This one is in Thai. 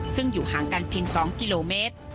ซึ่งอยู่ห่างกันเพียง๒กิโลเมตร